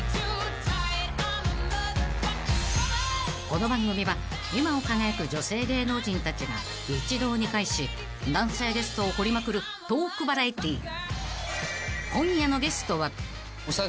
［この番組は今を輝く女性芸能人たちが一堂に会し男性ゲストを掘りまくるトークバラエティー］